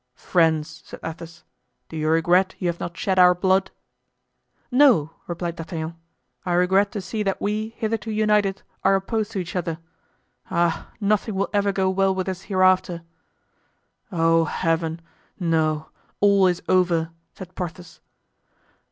"Friends!" said Athos, "do you regret you have not shed our blood?" "No," replied D'Artagnan; "I regret to see that we, hitherto united, are opposed to each other. Ah! nothing will ever go well with us hereafter!" "Oh, Heaven! No, all is over!" said Porthos.